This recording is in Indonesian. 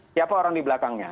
siapa orang di belakangnya